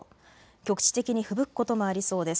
局地的にふぶくこともありそうです。